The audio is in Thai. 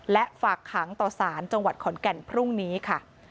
และฝากขังต่อสารจังหวัดขอนแก่นพรุ่งนี้ค่ะ